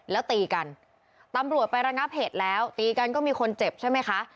แล้วตีกันตำรวจไประงับเหตุแล้วตีกันก็มีคนเจ็บใช่ไหมคะ